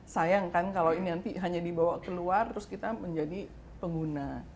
sayang kan kalau ini nanti hanya dibawa keluar terus kita menjadi pengguna